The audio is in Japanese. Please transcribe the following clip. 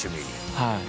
はい。